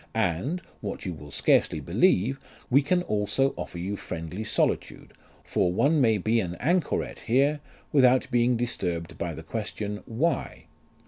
And (what you will scarcely believe) we can also offer you friendly solitude, for one may be an anchoret here without being disturbed by the question, Why